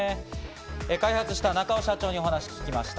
開発した中尾社長にお話を聞きました。